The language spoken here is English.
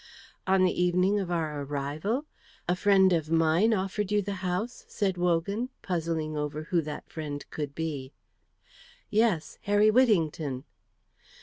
"On the evening of our arrival? A friend of mine offered you the house," said Wogan, puzzling over who that friend could be. "Yes. Harry Whittington."